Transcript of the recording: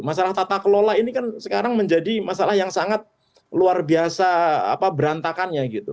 masalah tata kelola ini kan sekarang menjadi masalah yang sangat luar biasa berantakannya gitu